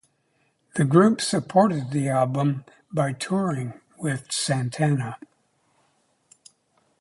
The group supported the album by touring with Santana.